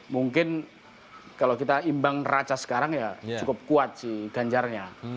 mungkin kalau kita imbang raca sekarang ya cukup kuat sih ganjarnya